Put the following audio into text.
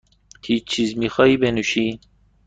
هیچ چیزی میخواهی بنوشی؟